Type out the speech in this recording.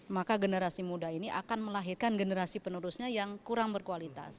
maka generasi muda ini akan melahirkan generasi penerusnya yang kurang berkualitas